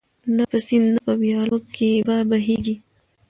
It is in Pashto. نه په سیند نه په ویالو کي به بهیږي